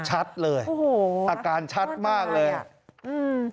ชัดเลยโอ้โหอาการชัดมากเลยอืม